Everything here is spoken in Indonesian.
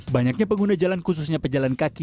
banyaknya pengguna jalan khususnya pejalan kaki